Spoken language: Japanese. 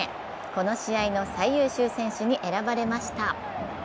この試合の最優秀選手に選ばれました。